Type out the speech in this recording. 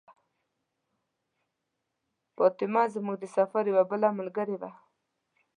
فاطمه زموږ د سفر یوه بله ملګرې وه.